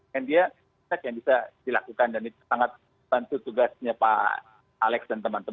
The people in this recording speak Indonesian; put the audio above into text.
kan dia yang bisa dilakukan dan itu sangat bantu tugasnya pak alex dan teman teman